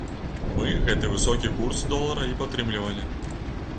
Мы гэты высокі курс долара і падтрымлівалі.